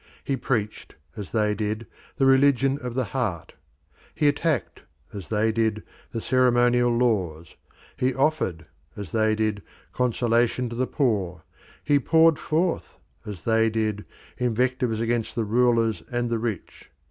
He preached, as they did, the religion of the heart; he attacked, as they did, the ceremonial laws; he offered, as they did, consolation to the poor; he poured forth, as they did, invectives against the rulers and the rich.